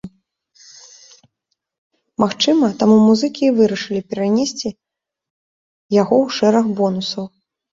Магчыма, таму музыкі і вырашылі перанесці яго ў шэраг бонусаў.